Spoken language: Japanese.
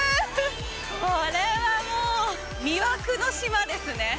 これはもう魅惑の島ですね。